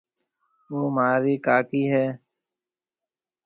او مهارِي ڪاڪِي هيَ۔